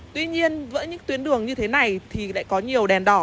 tuy nhiên với những tuyến đường như thế này thì lại có nhiều đèn đỏ